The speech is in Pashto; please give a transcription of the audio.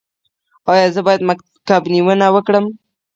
ایا زه باید کب نیونه وکړم؟